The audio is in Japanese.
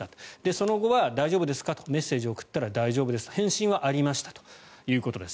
その後は大丈夫ですか？とメッセージを送ったら大丈夫ですと返信はありましたということです。